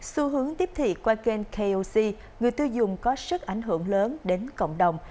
xu hướng tiếp thị qua kênh koc người tiêu dùng có sức ảnh hưởng lớn đến cộng đồng